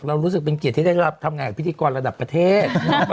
รู้สึกเป็นเกียรติที่ได้รับทำงานกับพิธีกรระดับประเทศ